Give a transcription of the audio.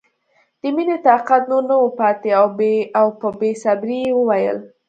د مینې طاقت نور نه و پاتې او په بې صبرۍ یې وویل